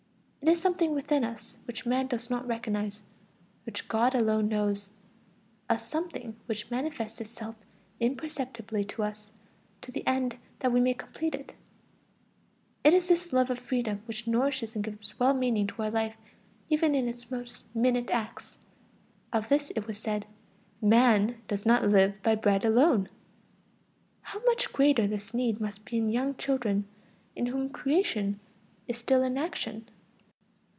It is something within us which man does not recognize, which God alone knows, a something which manifests itself imperceptibly to us to the end that we may complete it. It is this love of freedom which nourishes and gives well being to our life, even in its most minute acts. Of this it was said: "Man does not live by bread alone." How much greater this need must be in young children, in whom creation is still in action!